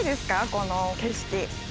この景色。